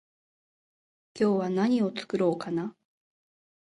今日は何を作ろうかな？